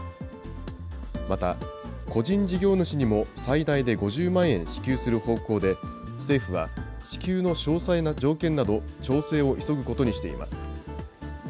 また個人事業主にも最大で５０万円支給する方向で、政府は支給の詳細な条件など、調整を急ぐことにしています。